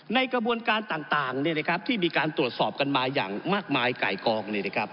ในกระบวนการต่างที่มีการตรวจสอบกันมาอย่างมากมายไก่กอง